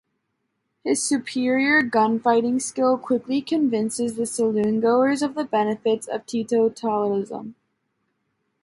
His superior gunfighting skill quickly convinces the saloon-goers of the benefits of teetotalism.